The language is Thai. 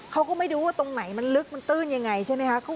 เขาก็ไม่รู้ว่าตรงไหนมันลึกมันตื้นยังไงใช่ไหมคะ